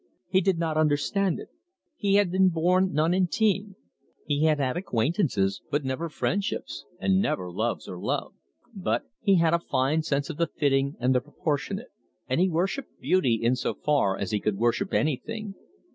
He did not understand it. He had been born non intime. He had had acquaintances, but never friendships, and never loves or love. But he had a fine sense of the fitting and the proportionate, and he worshipped beauty in so far as he could worship anything.